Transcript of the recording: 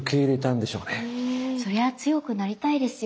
そりゃあ強くなりたいですよね。